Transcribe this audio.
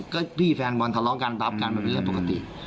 ก็พี่แฟนบนทะเลาะกันปรับกันแบบนี้ปกติ